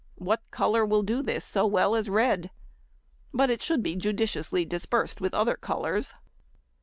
What colour will do this so well as red? But it should be judiciously dispersed with other colours.